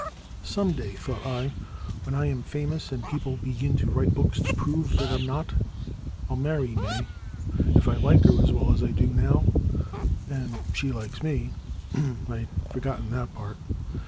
Some day, thought I, when I am famous, and people begin to write books to prove that I *m not, I *11 marry May, — ^if I like her as well as I do now — and she likes me, — ahem !I *d forgotten that part.